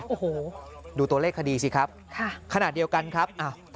โอ้โหดูตัวเลขคดีสิครับขณะเดียวกันครับ